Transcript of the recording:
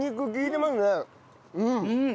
うん！